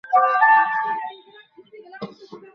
এর ওপর ভিত্তি করেই আদালতকে রায় দিতে হয়।